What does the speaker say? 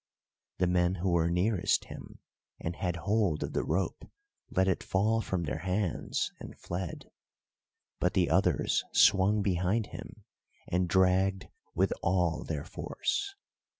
The men who were nearest him and had hold of the rope let it fall from their hands and fled, but the others swung behind him, and dragged with all their force.